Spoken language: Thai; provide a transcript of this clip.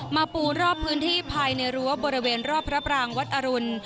ปูรอบพื้นที่ภายในรั้วบริเวณรอบพระปรางวัดอรุณ